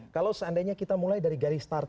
kalau seandainya kita mulai dari garis start